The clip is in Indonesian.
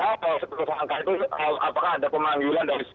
atau tersangka itu apakah ada pemanggulan dari